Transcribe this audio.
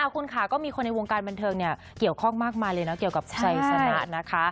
คุณค่ะก็มีคนในวงการบันเทิงเกี่ยวข้องมากมายเลยนะเกี่ยวกับไซสนะนะคะ